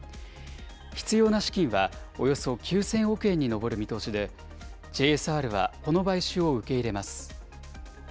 必要な資金はおよそ９０００億円に上る見通しで、ＪＳＲはこの買収を受け入れます。